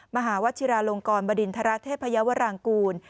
มหาวชิราลงกรบดินทรเทพยาวรางกูล